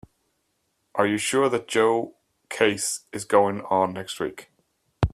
Are you sure that Joe case is going on next week?